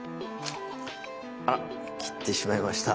あら切ってしまいました。